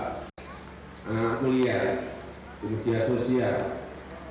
pembelian pembelian sosial